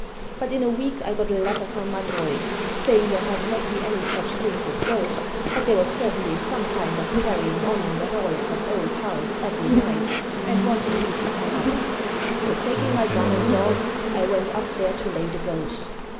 But in a week I got a letter from my boy, saying there might not be any such things as ghosts, but there was certainly some kind of carrying on in the hall of that old house every night, and wanting me to come up. So taking my gun and dog, I went up there to lay the ghost.